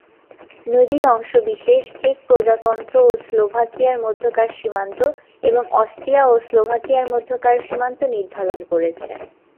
নদীর অংশবিশেষ চেক প্রজাতন্ত্র ও স্লোভাকিয়ার মধ্যকার সীমান্ত এবং অস্ট্রিয়া ও স্লোভাকিয়ার মধ্যকার সীমান্ত নির্ধারণ করেছে।